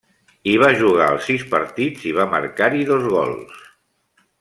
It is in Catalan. Hi va jugar els sis partits, i va marcar-hi dos gols.